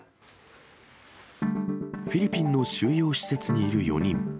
フィリピンの収容施設にいる４人。